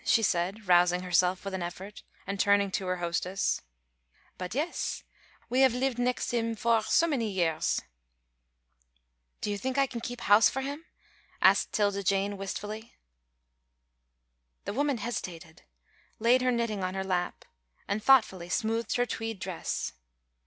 she said, rousing herself with an effort, and turning to her hostess. "But yes we have lived nex' him for so many yeahs." "Do you think I can keep house for him?" asked 'Tilda Jane, wistfully. [Illustration: "'YOU ARE YOUNG FOR THAT, MADEMOISELLE, YET '"] The woman hesitated, laid her knitting on her lap, and thoughtfully smoothed her tweed dress.